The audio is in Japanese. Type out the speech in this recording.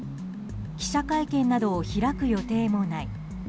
記者会見などを開く予定もない。